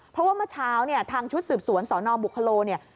เพราะว่าเมื่อเช้าเนี่ยทางชุดสืบสวนสนบุคโลเนี่ย